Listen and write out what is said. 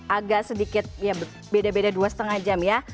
agak sedikit ya beda beda dua lima jam ya